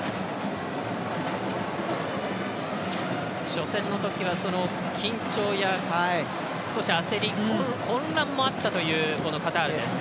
初戦のときは緊張や少し焦り、混乱もあったというカタールです。